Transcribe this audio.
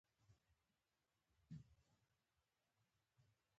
بلبل سمدستي را ووت په هوا سو